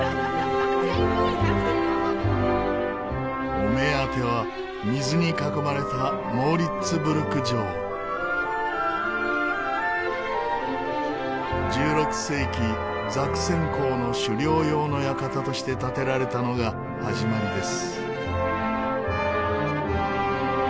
お目当ては水に囲まれた１６世紀ザクセン公の狩猟用の館として建てられたのが始まりです。